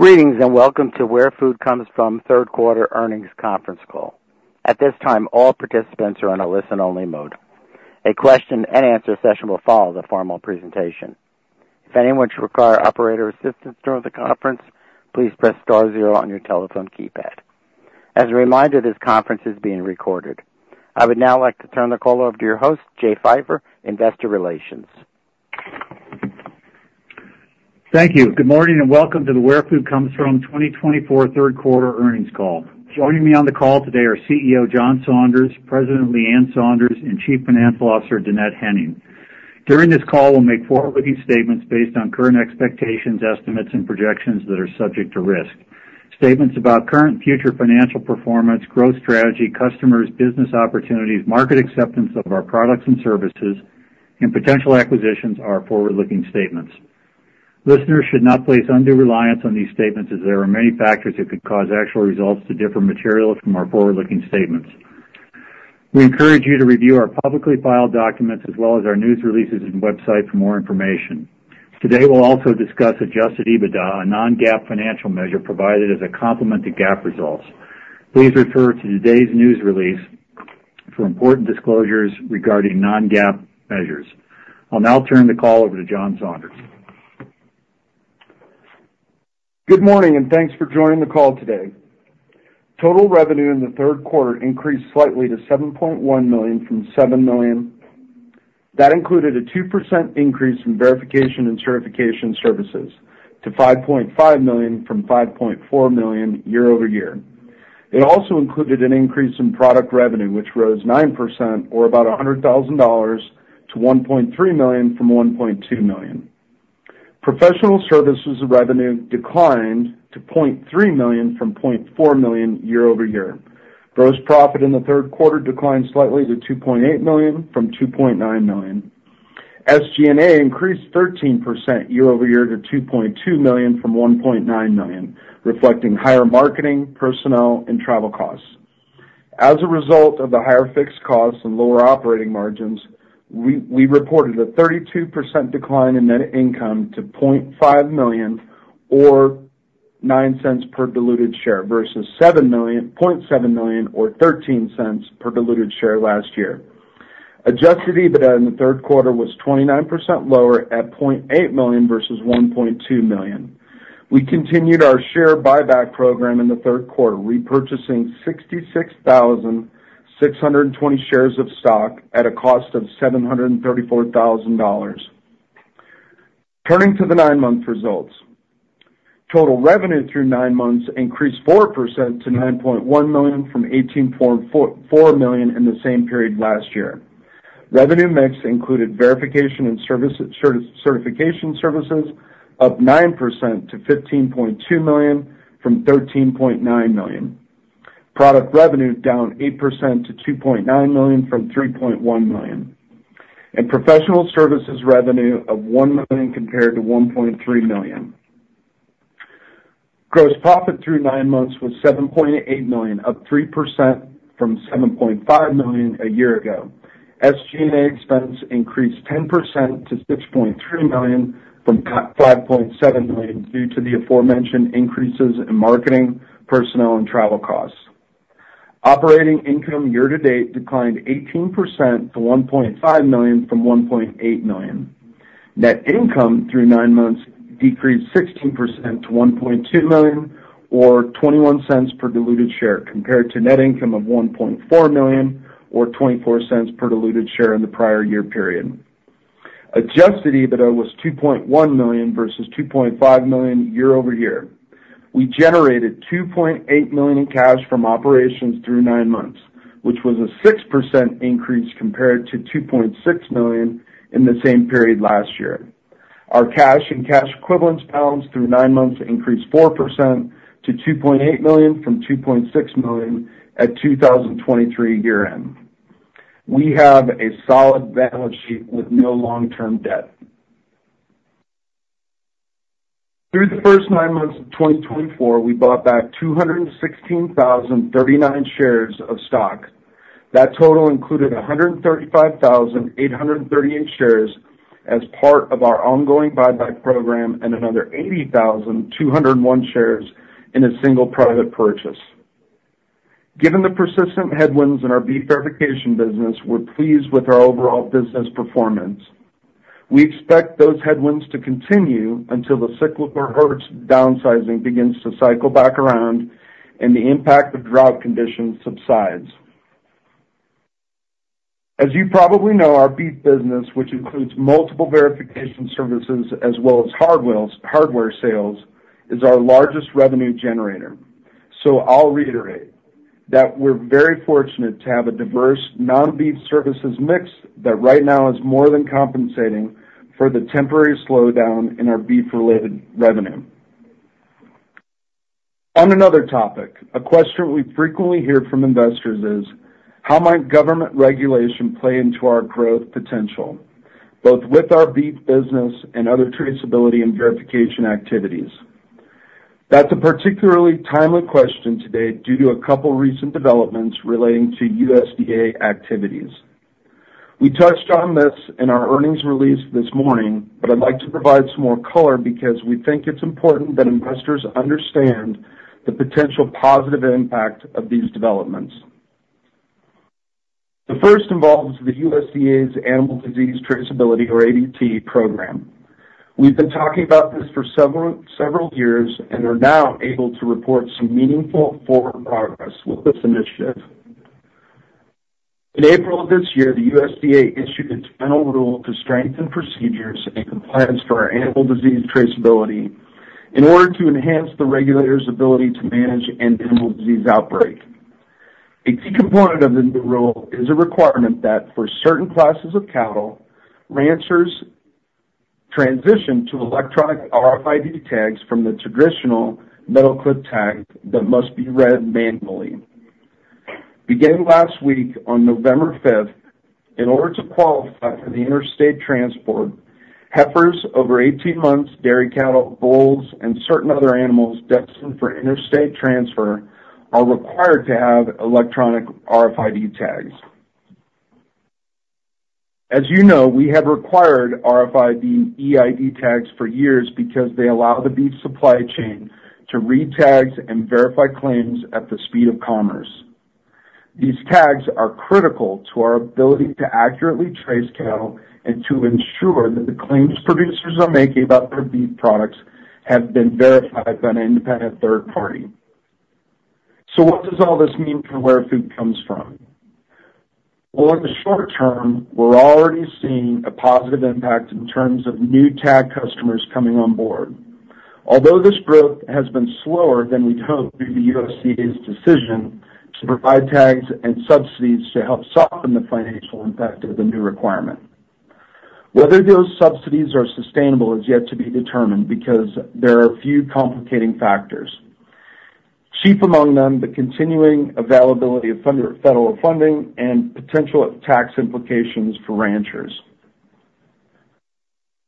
Greetings and welcome to Where Food Comes From, Third Quarter Earnings Conference Call. At this time, all participants are on a listen-only mode. A question-and-answer session will follow the formal presentation. If anyone should require operator assistance during the conference, please press star zero on your telephone keypad. As a reminder, this conference is being recorded. I would now like to turn the call over to your host, Jay Pfeiffer, Investor Relations. Thank you. Good morning and welcome to the Where Food Comes From 2024 Third Quarter Earnings Call. Joining me on the call today are CEO John Saunders, President Leann Saunders, and Chief Financial Officer Dannette Henning. During this call, we'll make forward-looking statements based on current expectations, estimates, and projections that are subject to risk. Statements about current and future financial performance, growth strategy, customers, business opportunities, market acceptance of our products and services, and potential acquisitions are forward-looking statements. Listeners should not place undue reliance on these statements as there are many factors that could cause actual results to differ materially from our forward-looking statements. We encourage you to review our publicly filed documents as well as our news releases and website for more information. Today, we'll also discuss adjusted EBITDA, a non-GAAP financial measure provided as a complement to GAAP results. Please refer to today's news release for important disclosures regarding non-GAAP measures. I'll now turn the call over to John Saunders. Good morning and thanks for joining the call today. Total revenue in the third quarter increased slightly to $7.1 million from $7 million. That included a 2% increase in verification and certification services to $5.5 million from $5.4 million year-over-year. It also included an increase in product revenue, which rose 9%, or about $100,000-$1.3 million from $1.2 million. Professional services revenue declined to $0.3 million from $0.4 million year-over-year. Gross profit in the third quarter declined slightly to $2.8 million from $2.9 million. SG&A increased 13% year-over-year to $2.2 million from $1.9 million, reflecting higher marketing, personnel, and travel costs. As a result of the higher fixed costs and lower operating margins, we reported a 32% decline in net income to $0.5 million, or $0.09 per diluted share, versus $0.7 million, or $0.13 per diluted share last year. Adjusted EBITDA in the third quarter was 29% lower at $0.8 million versus $1.2 million. We continued our share buyback program in the third quarter, repurchasing 66,620 shares of stock at a cost of $734,000. Turning to the nine-month results, total revenue through nine months increased 4% to $19.1 million from $18.4 million in the same period last year. Revenue mix included verification and certification services up 9% to $15.2 million from $13.9 million. Product revenue down 8% to $2.9 million from $3.1 million, and professional services revenue of $1 million compared to $1.3 million. Gross profit through nine months was $7.8 million, up 3% from $7.5 million a year ago. SG&A expense increased 10% to $6.3 million from $5.7 million due to the aforementioned increases in marketing, personnel, and travel costs. Operating income year to date declined 18% to $1.5 million from $1.8 million. Net income through nine months decreased 16% to $1.2 million, or $0.21 per diluted share, compared to net income of $1.4 million, or $0.24 per diluted share in the prior year period. Adjusted EBITDA was $2.1 million versus $2.5 million year-over-year. We generated $2.8 million in cash from operations through nine months, which was a 6% increase compared to $2.6 million in the same period last year. Our cash and cash equivalents balance through nine months increased 4% to $2.8 million from $2.6 million at 2023 year-end. We have a solid balance sheet with no long-term debt. Through the first nine months of 2024, we bought back 216,039 shares of stock. That total included 135,838 shares as part of our ongoing buyback program and another 80,201 shares in a single private purchase. Given the persistent headwinds in our beef verification business, we're pleased with our overall business performance. We expect those headwinds to continue until the cyclical herd downsizing begins to cycle back around and the impact of drought conditions subsides. As you probably know, our beef business, which includes multiple verification services as well as hardware sales, is our largest revenue generator. So I'll reiterate that we're very fortunate to have a diverse non-beef services mix that right now is more than compensating for the temporary slowdown in our beef-related revenue. On another topic, a question we frequently hear from investors is, how might government regulation play into our growth potential, both with our beef business and other traceability and verification activities? That's a particularly timely question today due to a couple of recent developments relating to USDA activities. We touched on this in our earnings release this morning, but I'd like to provide some more color because we think it's important that investors understand the potential positive impact of these developments. The first involves the USDA's Animal Disease Traceability, or ADT program. We've been talking about this for several years and are now able to report some meaningful forward progress with this initiative. In April of this year, the USDA issued a general rule to strengthen procedures and compliance for our animal disease traceability in order to enhance the regulator's ability to manage an animal disease outbreak. A key component of the new rule is a requirement that for certain classes of cattle, ranchers transition to electronic RFID tags from the traditional metal clip tag that must be read manually. Beginning last week on November 5th, in order to qualify for the interstate transport, heifers over 18 months, dairy cattle, bulls, and certain other animals destined for interstate transfer are required to have electronic RFID tags. As you know, we have required RFID EID tags for years because they allow the beef supply chain to retag and verify claims at the speed of commerce. These tags are critical to our ability to accurately trace cattle and to ensure that the claims producers are making about their beef products have been verified by an independent third party. So what does all this mean for Where Food Comes From? Well, in the short term, we're already seeing a positive impact in terms of new tag customers coming on board. Although this growth has been slower than we'd hoped due to USDA's decision to provide tags and subsidies to help soften the financial impact of the new requirement. Whether those subsidies are sustainable is yet to be determined because there are a few complicating factors. Chief among them, the continuing availability of federal funding and potential tax implications for ranchers.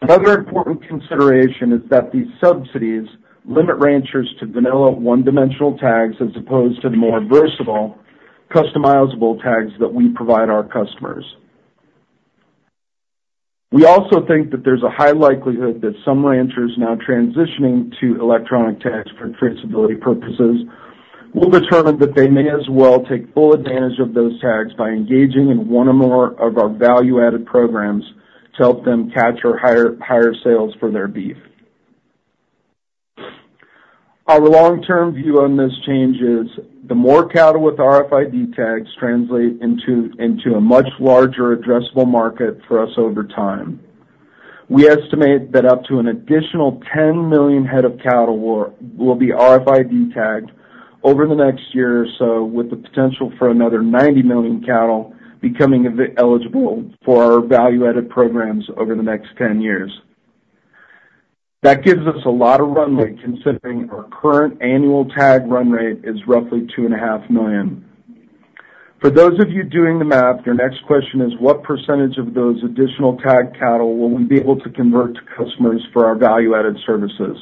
Another important consideration is that these subsidies limit ranchers to vanilla one-dimensional tags as opposed to the more versatile, customizable tags that we provide our customers. We also think that there's a high likelihood that some ranchers now transitioning to electronic tags for traceability purposes will determine that they may as well take full advantage of those tags by engaging in one or more of our value-added programs to help them capture higher sales for their beef. Our long-term view on this change is the more cattle with RFID tags translate into a much larger addressable market for us over time. We estimate that up to an additional 10 million head of cattle will be RFID tagged over the next year or so, with the potential for another 90 million cattle becoming eligible for our value-added programs over the next 10 years. That gives us a lot of runway considering our current annual tag run rate is roughly 2.5 million. For those of you doing the math, your next question is, what percentage of those additional tagged cattle will we be able to convert to customers for our value-added services?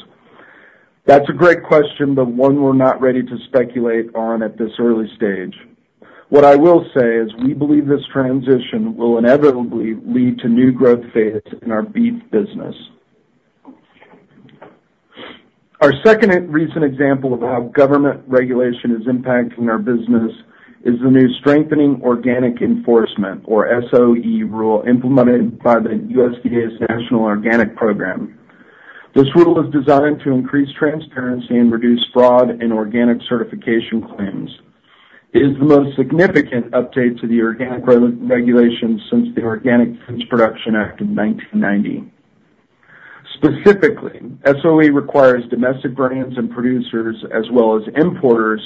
That's a great question, but one we're not ready to speculate on at this early stage. What I will say is we believe this transition will inevitably lead to new growth phase in our beef business. Our second recent example of how government regulation is impacting our business is the new Strengthening Organic Enforcement, or SOE, rule implemented by the USDA's National Organic Program. This rule is designed to increase transparency and reduce fraud in organic certification claims. It is the most significant update to the organic regulations since the Organic Foods Production Act of 1990. Specifically, SOE requires domestic brands and producers, as well as importers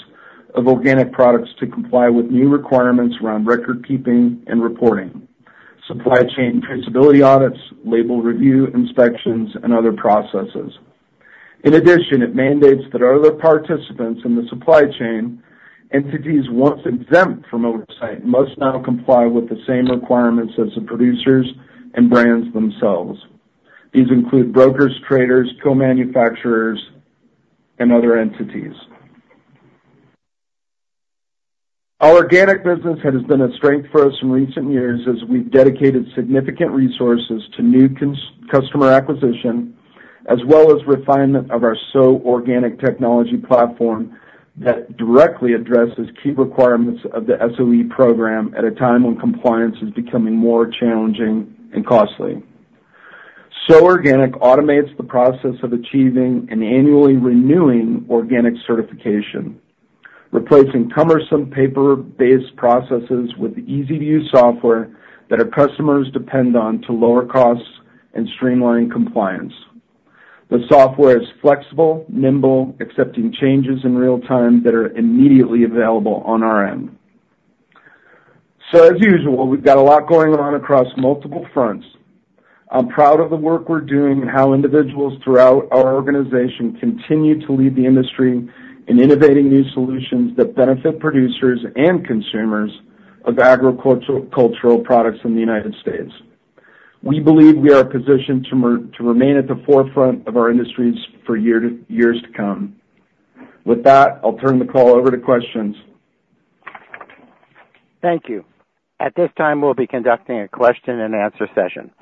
of organic products, to comply with new requirements around record keeping and reporting, supply chain traceability audits, label review inspections, and other processes. In addition, it mandates that other participants in the supply chain entities once exempt from oversight must now comply with the same requirements as the producers and brands themselves. These include brokers, traders, co-manufacturers, and other entities. Our organic business has been a strength for us in recent years as we've dedicated significant resources to new customer acquisition, as well as refinement of our SOW Organic technology platform that directly addresses key requirements of the SOE program at a time when compliance is becoming more challenging and costly. SOW Organic automates the process of achieving and annually renewing organic certification, replacing cumbersome paper-based processes with easy-to-use software that our customers depend on to lower costs and streamline compliance. The software is flexible, nimble, accepting changes in real time that are immediately available on our end. So, as usual, we've got a lot going on across multiple fronts. I'm proud of the work we're doing and how individuals throughout our organization continue to lead the industry in innovating new solutions that benefit producers and consumers of agricultural products in the United States. We believe we are positioned to remain at the forefront of our industries for years to come. With that, I'll turn the call over to questions. Thank you. At this time, we'll be conducting a question and answer session.